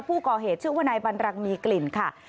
ผู้ก่อเหตุชื่อว่านายบันรังมีกลิ่นค่ะ